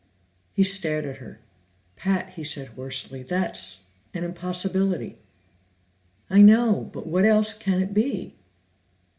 He stared at her. "Pat," he said hoarsely, "that's an impossibility!" "I know, but what else can it be?"